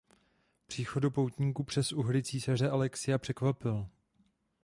Příchod poutníků přes Uhry císaře Alexia překvapil.